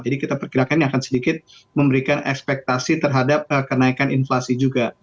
jadi kita perkirakan ini akan sedikit memberikan ekspektasi terhadap kenaikan inflasi juga